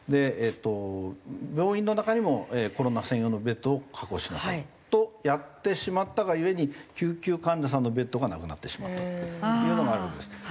えっと病院の中にも「コロナ専用のベッドを確保しなさい」とやってしまったがゆえに救急患者さんのベッドがなくなってしまったっていうのがあるんです。